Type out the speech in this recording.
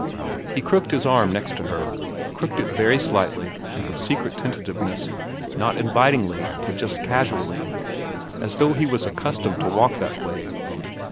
He crooked the arm next to her—crooked it very slightly and with secret tentativeness, not invitingly, but just casually, as though he was accustomed to walk that way.